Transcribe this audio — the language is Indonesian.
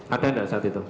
ada enggak saat itu